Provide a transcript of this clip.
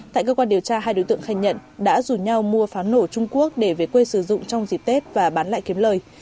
tại cơ quan điều tra hai đối tượng khai nhận đã rủ nhau mua pháo nổ trung quốc để về quê sử dụng trong dịp tết và bán lại kiếm lời